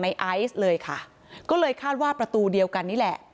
ไอซ์เลยค่ะก็เลยคาดว่าประตูเดียวกันนี่แหละ